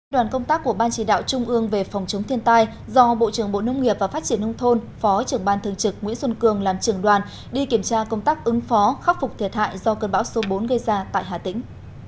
đoàn công tác của ban chỉ đạo trung ương về phòng chống thiên tai do bộ trưởng bộ nông nghiệp và phát triển nông thôn phó trưởng ban thường trực nguyễn xuân cường làm trưởng đoàn đi kiểm tra công tác ứng phó khắc phục thiệt hại do cơn bão số bốn gây ra tại hà tĩnh